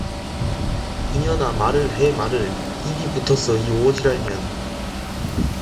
이년아, 말을 해, 말을! 입이 붙었어, 이 오라질 년!